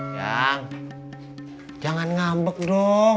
yang jangan ngambek dong